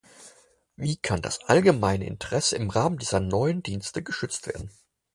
Wie kann das allgemeine Interesse im Rahmen dieser neuen Dienste geschützt werden?